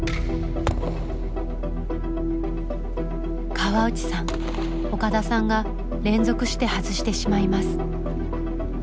河内さん岡田さんが連続して外してしまいます。